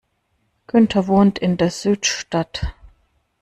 Günther wohnt in der Südstadt.